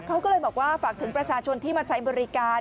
เขาก็เลยบอกว่าฝากถึงประชาชนที่มาใช้บริการ